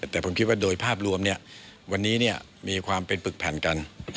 แต่ผมคิดว่าโดยภาพรวมวันนี้มีความเป็นปึกแผ่นกัน